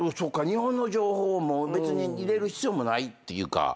日本の情報を別に入れる必要もないっていうか。